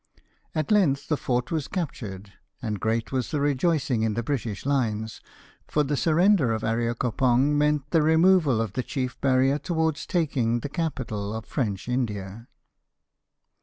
At length the fort was captured and great was the rejoicing in the British lines, for the surrender of Areacopong meant the removal of the chief barrier towards taking the capital of French India.